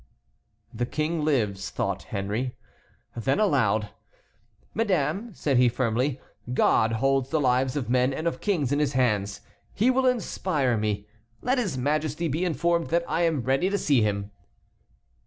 "The King lives," thought Henry. Then aloud: "Madame," said he, firmly, "God holds the lives of men and of kings in his hands. He will inspire me. Let his Majesty be informed that I am ready to see him."